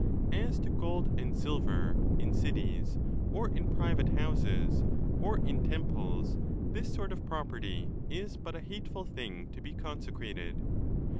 As to gold and silver, in cities, or in private houses, or in temples, this sort of property is but a hateful thing to be consecrated.